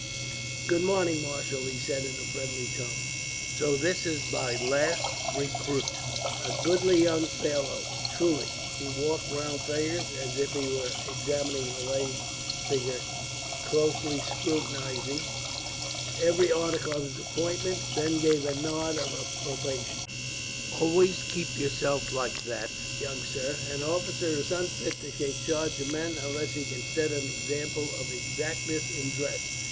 "Good morning, marshal!" he said, in a friendly tone. "So this is my last recruit a goodly young fellow, truly." [Illustration: The king walked round Fergus as if he were examining a lay figure] He walked round Fergus as if he were examining a lay figure, closely scrutinizing every article of his appointment, and then gave a nod of approbation. "Always keep yourself like that, young sir. An officer is unfit to take charge of men, unless he can set an example of exactness in dress.